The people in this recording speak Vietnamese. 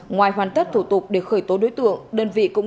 ngoài hoàn tất thủ tục để khởi tố đối tượng đơn vị cũng